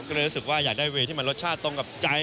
ก็เลยรู้สึกว่าอยากได้เวย์ที่มันรสชาติตรงกับใจ